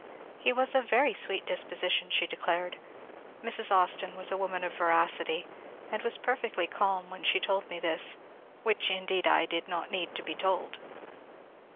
He was of very sweet disposition, she declared. Mrs. Austin was a woman of veracity, and was perfectly calm when she told me this, — which indeed, I did not need to be told.